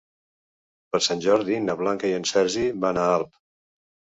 Per Sant Jordi na Blanca i en Sergi van a Alp.